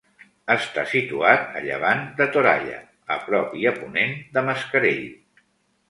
Està situat a llevant de Toralla, a prop i a ponent de Mascarell.